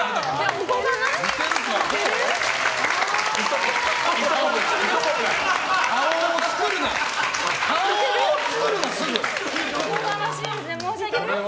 おこがましいです申し訳ないです。